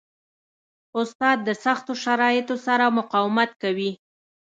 استاد د سختو شرایطو سره مقاومت کوي.